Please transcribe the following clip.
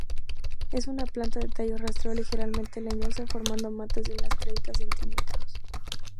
Es una planta de tallo rastrero ligeramente leñosa, formando matas de unos treinta centímetros.